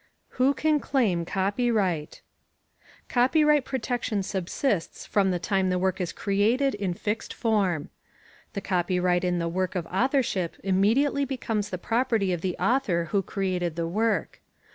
WHO CAN CLAIM COPYRIGHT Copyright protection subsists from the time the work is created in fixed form. The copyright in the work of authorship *immediately* becomes the property of the author who created the work.